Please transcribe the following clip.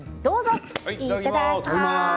いただきます。